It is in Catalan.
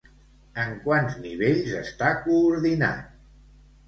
En quants nivells està coordinat?